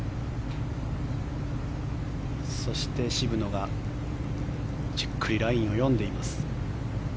そして、渋野がじっくりラインを読んでいます。